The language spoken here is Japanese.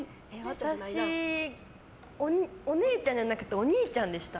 私、お姉ちゃんじゃなくてお兄ちゃんでした。